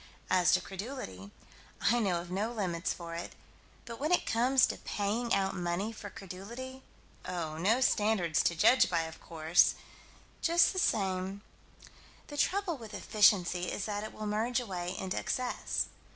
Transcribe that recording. As to credulity, I know of no limits for it but when it comes to paying out money for credulity oh, no standards to judge by, of course just the same The trouble with efficiency is that it will merge away into excess.